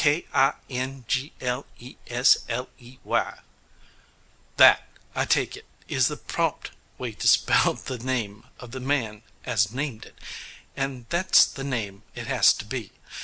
K i n g l e s l e y: that, I take it, is the prompt way to spell the name of the man as named it, and that's the name it has to have.